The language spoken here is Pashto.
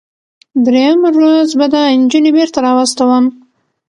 دریم روز به دا نجونې بیرته راواستوم.